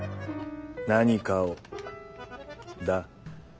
何かをだ。